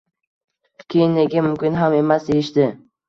Keyin, menga mumkin ham emas, deyishdi